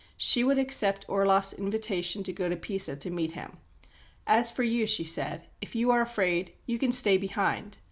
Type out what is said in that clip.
She would accept Orloff's invitation to go to Pisa to meet him. "As for you," she said, "if you are afraid, you can stay behind.